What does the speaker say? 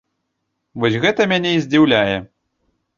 Вось гэта мяне і здзіўляе.